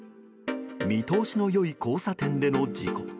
見通しの良い交差点での事故。